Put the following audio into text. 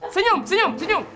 senyum senyum senyum